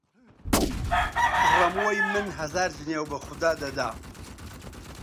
ڕەمۆی من هەزار جنێو بە خودا دەدا!